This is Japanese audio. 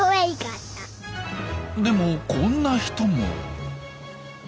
でもこんな人も。